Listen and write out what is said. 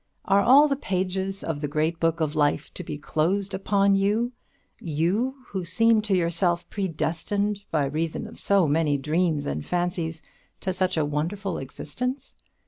Are all the pages of the great book of life to be closed upon you you, who seem to yourself predestined, by reason of so many dreams and fancies, to such a wonderful existence?